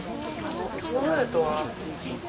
ヨーグルトは。